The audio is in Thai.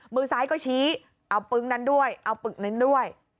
มือซ้ายก็ชี้เอาปึ๊งนั้นด้วยเอาปึ๊กนั้นด้วย